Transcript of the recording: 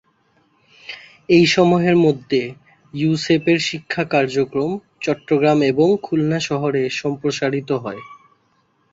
এই সময়ের মধ্যে ইউসেপের শিক্ষা কার্যক্রম চট্টগ্রাম এবং খুলনা শহরে সম্প্রসারিত হয়।